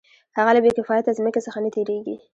هغه له بې کفایته ځمکې څخه نه تېرېږي